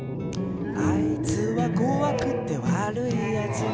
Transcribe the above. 「あいつはこわくてわるいやつ」